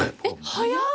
早い！